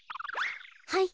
はい。